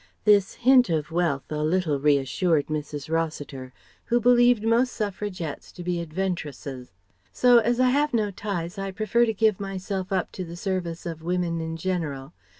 (This hint of wealth a little reassured Mrs. Rossiter, who believed most Suffragettes to be adventuresses.) "So, as I have no ties I prefer to give myself up to the service of women in general.